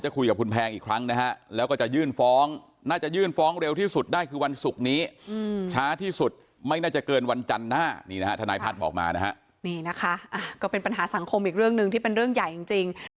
คุยกับคุณแพงอีกครั้งนะฮะแล้วก็จะยื่นฟ้องน่าจะยื่นฟ้องเร็วที่สุดได้คือวันศุกร์นี้ช้าที่สุดไม่น่าจะเกินวันจันทร์หน้านี่นะฮะทนายพัฒน์บอกมานะฮะนี่นะคะก็เป็นปัญหาสังคมอีกเรื่องหนึ่งที่เป็นเรื่องใหญ่จริง